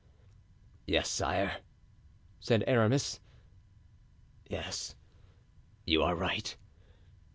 "Yes, sire," said Aramis, "yes, you are right.